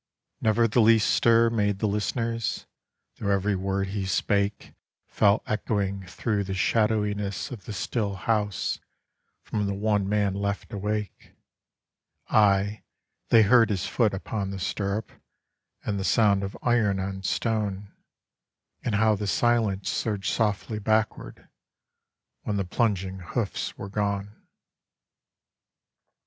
Never the least stir made the listeners, Though every word he spake Fell echoing through the shadowiness of the still house From the one man left awake: Aye, they heard his foot upon the stirrup, And the sound of iron on stone, And how the silence surged softly backward, When the plunging hoofs were gone.